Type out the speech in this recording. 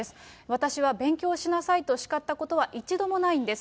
私は勉強しなさいと叱ったことは一度もないんです。